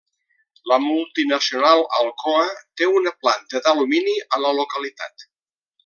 La multinacional Alcoa té una planta d'alumini a la localitat.